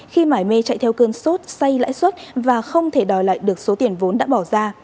khi mải mê chạy theo cơn sốt xay lãi suất và không thể đòi lại được số tiền vốn đã bỏ ra